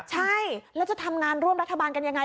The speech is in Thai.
ก็จะทำงานร่วมรัฐบาลกันยังไง